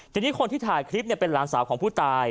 ทีนี้คนที่ถ่ายคลิปเป็นหลานสาวของผู้ตาย